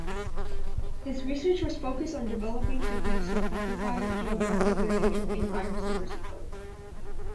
His research was focused on developing techniques to quantify geographic variation in "Iris versicolor".